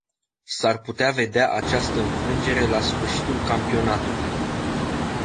S-ar putea vedea această înfrângere la sfârșitul campionatului.